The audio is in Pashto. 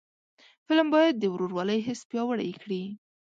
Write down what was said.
فلم باید د ورورولۍ حس پیاوړی کړي